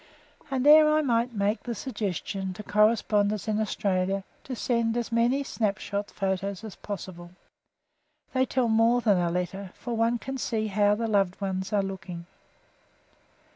And here I might make the suggestion to correspondents in Australia to send as many snap shot photos. as possible. They tell more than a letter, for one can see how the loved ones are looking.